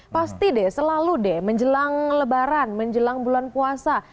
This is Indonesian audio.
pasti deh selalu deh menjelang lebaran menjelang bulan puasa